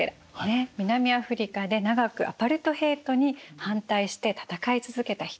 南アフリカで長くアパルトヘイトに反対して戦い続けた人。